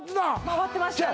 回ってましたね